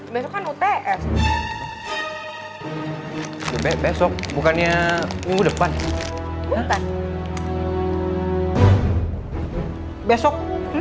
besoknya besok bukannya minggu depan besok